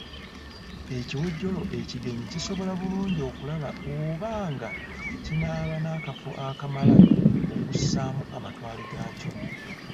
Ekiwojjolo ekigenyi kisobola bulungi okulaba oba nga kinaaba n’akafo akamala okussaamu amatwale gaakyo.